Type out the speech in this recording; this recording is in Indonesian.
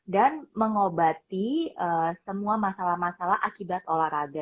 dan mengobati semua masalah masalah akibat olahraga